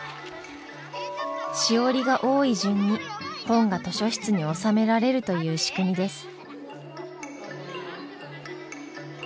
しおりが多い順に本が図書室に納められるという仕組みです。